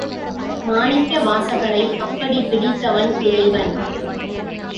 மாணிக்கவாசகரை அப்படிப் பிடித்தவன் இறைவன்.